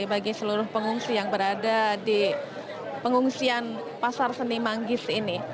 bagi seluruh pengungsi yang berada di pengungsian pasar seni manggis ini